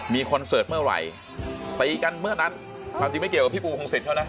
มีคอนเสิร์ตเมื่อไหร่ตีกันเมื่อนัดความจริงไม่เกี่ยวกับพี่ปูพงศิษย์เขานะ